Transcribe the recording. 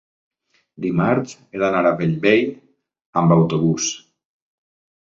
dimarts he d'anar a Bellvei amb autobús.